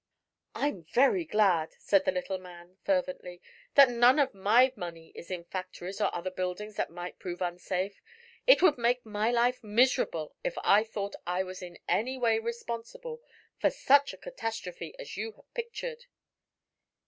"I'm very glad," said the little man fervently, "that none of my money is in factories or other buildings that might prove unsafe. It would make my life miserable if I thought I was in any way responsible for such a catastrophe as you have pictured."